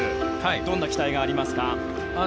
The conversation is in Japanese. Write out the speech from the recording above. どんな期待がありますか？